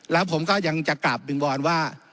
แล้วผมก็ยังจะกลับวิงบอนว่า